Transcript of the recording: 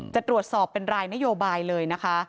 จะตรวจสอบเป็นรายนโยบายเลยนะคะ